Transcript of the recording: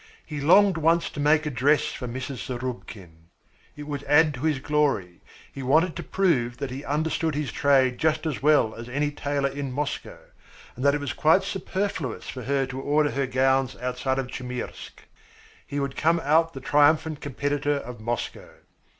He longed once to make a dress for Mrs. Zarubkin. It would add to his glory. He wanted to prove that he understood his trade just as well as any tailor in Moscow, and that it was quite superfluous for her to order her gowns outside of Chmyrsk. He would come out the triumphant competitor of Moscow.